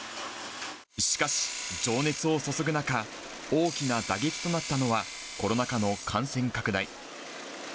しかし情熱を注ぐ中、大きな打撃となったのは、コロナ禍の感染拡大。